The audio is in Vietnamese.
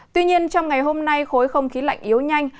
tuy nhiên trong ngày hôm nay khối không khí lạnh yếu nhanh